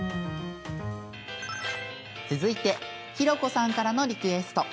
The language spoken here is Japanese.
続いてひろこさんからのリクエスト。